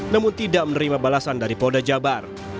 namun tidak menerima balasan dari polda jabar